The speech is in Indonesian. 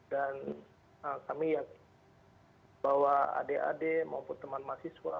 dan kami yakin bahwa adik adik maupun teman mahasiswa